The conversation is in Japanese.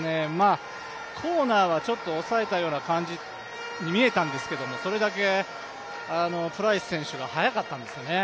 コーナーは抑えたような感じに見えたんですけど、それだけプライス選手が速かったんですね